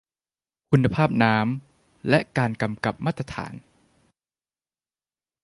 คุณภาพน้ำ และการกำกับมาตรฐาน